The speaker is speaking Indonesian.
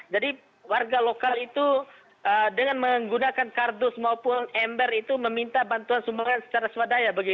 jadi warga lokal itu dengan menggunakan kardus maupun ember itu meminta bantuan sumberan secara swadaya